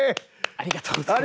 ありがとうございます。